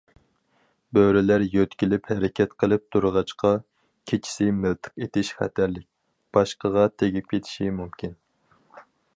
بۆرىلەر يۆتكىلىپ ھەرىكەت قىلىپ تۇرغاچقا، كېچىسى مىلتىق ئېتىش خەتەرلىك، باشقىغا تېگىپ كېتىشى مۇمكىن.